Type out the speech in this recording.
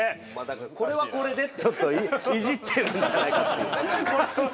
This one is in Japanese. これはこれでちょっといじってるんじゃないかっていう感じ。